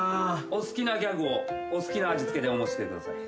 お好きなギャグをお好きな味付けでお申し付けください。